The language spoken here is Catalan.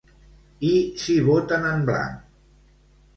I si voten en blanc?